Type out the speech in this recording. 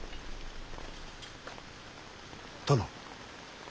殿。